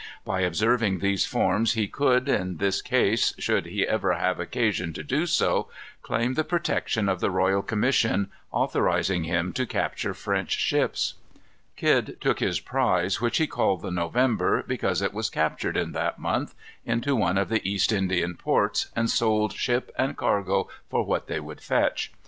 By observing these forms he could, in this case, should he ever have occasion to do so, claim the protection of the royal commission authorizing him to capture French ships. Kidd took his prize, which he called the November, because it was captured in that month, into one of the East Indian ports, and sold ship and cargo for what they would fetch.